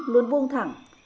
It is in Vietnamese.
luôn vuông thẳng